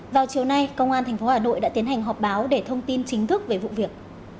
vào chiều nay công an tp hà nội đã tiến hành họp báo để thông tin chính thức về vụ việc